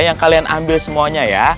yang kalian ambil semuanya ya